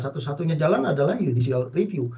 satu satunya jalan adalah judicial review